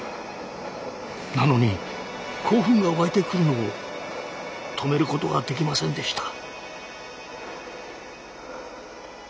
なのに興奮が沸いてくるのを止めることができませんでした。